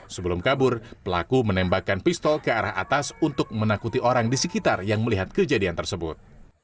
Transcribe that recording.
sebelum kabur pelaku menembakkan pistol ke arah atas untuk menakuti orang di sekitar yang melihat kejadian tersebut